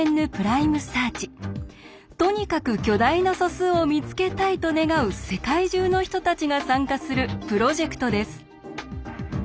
とにかく巨大な素数を見つけたいと願う世界中の人たちが参加するプロジェクトです。